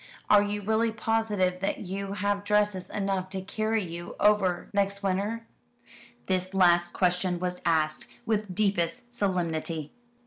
Are you really positive that you have dresses enough to carry you over next winter?" This last question was asked with deepest solemnity.